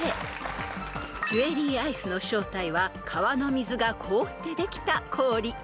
［ジュエリーアイスの正体は川の水が凍ってできた氷］